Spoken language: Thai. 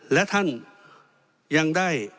และท่านยังได้